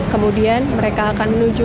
kemudian mereka akan menuju